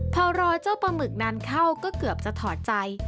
พอรอเจ้าปลาหมึกนานเข้าก็เกือบจะถอดใจ